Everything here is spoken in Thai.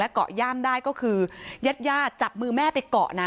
เกาะย่ามได้ก็คือญาติญาติจับมือแม่ไปเกาะนะ